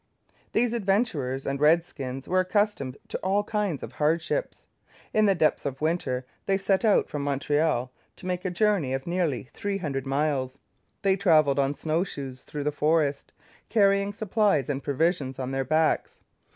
These adventurers and redskins were accustomed to all kinds of hardship. In the depth of winter they set out from Montreal to make a journey of nearly three hundred miles. They travelled on snow shoes through the forest, carrying supplies and provisions on their backs.